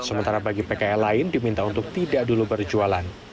sementara bagi pkl lain diminta untuk tidak dulu berjualan